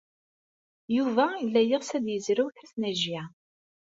Yuba yella yeɣs ad yezrew tasnajya.